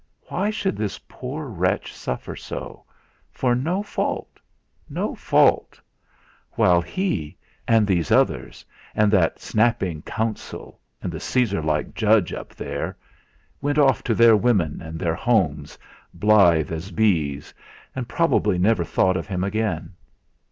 Why should this poor wretch suffer so for no fault, no fault; while he, and these others, and that snapping counsel, and the Caesar like judge up there, went off to their women and their homes, blithe as bees, and probably never thought of him again?